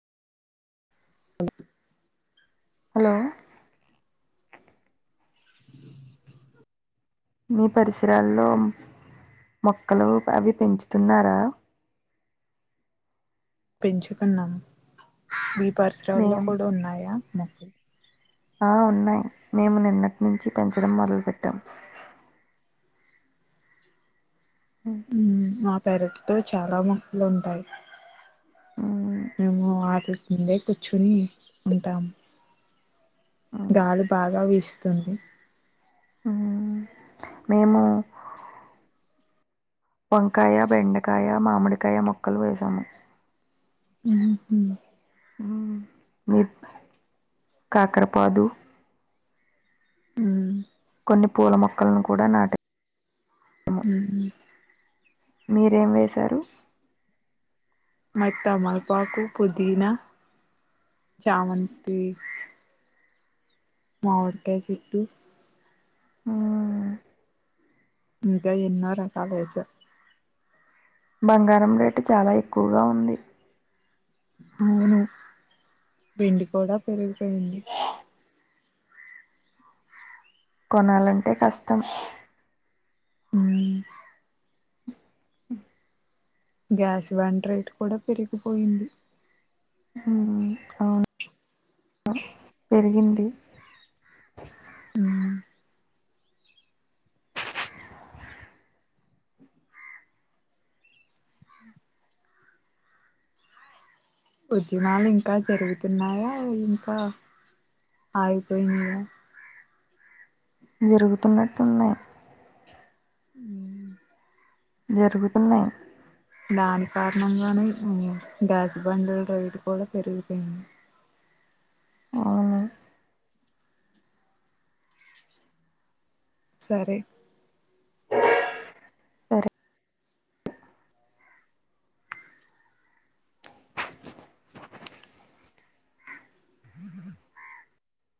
అఓ [inaudible] హలో మీ పరిసరాల్లో మొక్కలు అవి పెంచుతున్నారా పెంచుతున్నాం. పరిసరాల్లో మేం కూడా ఉన్నాయా మొకులు ఆ ఉన్నాయ్ మేము నిన్నటి నించి పెంచడం మొదలు పెట్టాం ఉమ్, ఊ మ్ అప్ పెరట్లో చాలా మొక్కలు ఉంటాయ్. ఉమ్, మేము వాటి కిందే కుచ్చుని ఉంటాం. గాలి బాగా వీస్ స్తుంది ఊ మేము వంకాయ, బెండకాయ, మామిడికాయ మొక్కలు వేసాము హు హ్ ఉ మీర్ప్ కాకరపాదు మ్మ్. కొన్ని పూల మొక్కల్నీ కూడా నాటే హామ్ మీరేం వేశారు మాయ్ త్తమలపాకు, పుదీనా, చామంతి మావిడికాయ్ చేట్టు ఉమ్, ఇంకా ఎన్నో రకాలేస బంగారం రేటు చాలా ఎక్కువగా ఉంది అవును వెండి కూడా పెరిగిపెంది కొనాలంటే కష్టం ఊ గ్యాస్ వంట్రేట్ కూడా పెరికిపోయింది ఊ అవును పెరిగింది హ్మ ఉద్యమాలు ఇంకా జరుగుతున్నాయా ఇంకా ఆగిపోయినాయా జరుగుతున్నటున్నాయ్ జరుగుతున్నాయ్ దాని కారణంగానే హ్మ గ్యాస్ బండల్ రేట్ కూడా పెరిగిపెనాయ్ అవునా సరే సరే